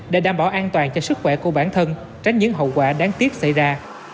để đảm bảo an toàn cho sức khỏe của bản thân tránh những hậu quả đáng tiếc xảy ra